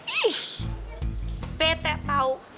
ih bete tau